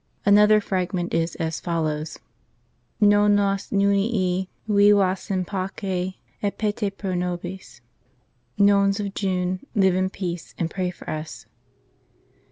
Another fragment is as follows : N. IVN IVIBAS IN PACE ET PETE PRO NOBIS " Nones of Jnne ... Live in peace, and pray for us."